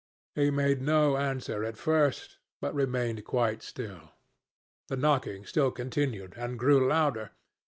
He made no answer at first, but remained quite still. The knocking still continued and grew louder.